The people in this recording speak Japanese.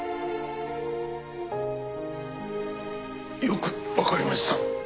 よく分かりました。